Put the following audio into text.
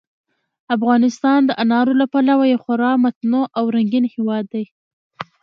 افغانستان د انارو له پلوه یو خورا متنوع او رنګین هېواد دی.